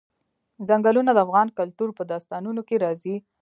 ځنګلونه د افغان کلتور په داستانونو کې راځي.